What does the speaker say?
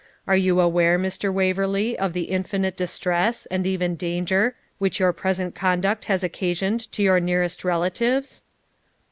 Are you aware, Mr. Waverley, of the infinite distress, and even danger, which your present conduct has occasioned to your nearest relatives?'